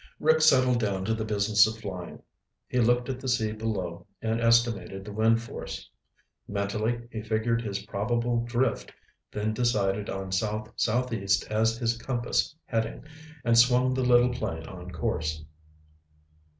Rick settled down to the business of flying. He looked at the sea below and estimated the wind force. Mentally he figured his probable drift, then decided on south southeast as his compass heading, and swung the little plane on course.